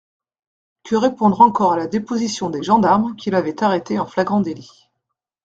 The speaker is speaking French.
Que répondre encore à la déposition des gendarmes qui l'avaient arrêté en flagrant d'élit.